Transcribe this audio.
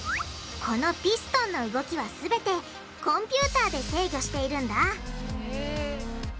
このピストンの動きはすべてコンピューターで制御しているんだ